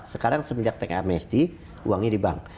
sekarang semenjak tkmst uangnya di bank